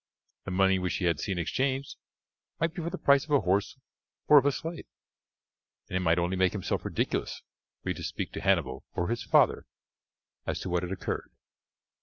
The money which he had seen exchanged might be for the price of a horse or of a slave, and he might only make himself ridiculous were he to speak to Hannibal or his father as to what had occurred.